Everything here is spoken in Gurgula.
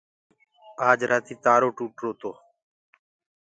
آج رآتي تآرو ٽوٽو تو۔